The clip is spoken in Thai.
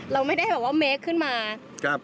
เราไม่ได้เมคขึ้นมา